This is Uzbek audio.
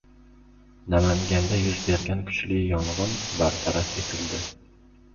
Namanganda yuz bergan kuchli yong‘in bartaraf etildi